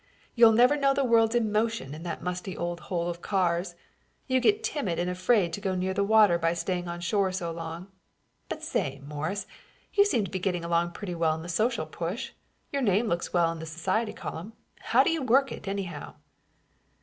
You'll never know the world's in motion in that musty old hole of Carr's. You get timid and afraid to go near the water by staying on shore so long. But say, Morris, you seem to be getting along pretty well in the social push. Your name looks well in the society column. How do you work it, anyhow?"